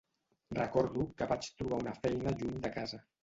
Recordo que vaig trobar una feina lluny de casa.